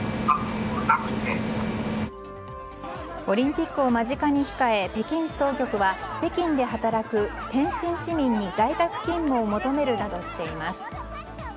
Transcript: オリンピックを間近に控え北京市当局は北京で働く天津市民に在宅勤務を求めるなどとしています。